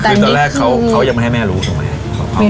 จังหิตตอนแรกเขายังไม่ให้แม่รู้ทำไม